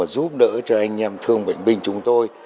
giúp đỡ cho anh em thương bệnh binh chúng tôi